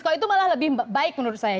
kalau itu malah lebih baik menurut saya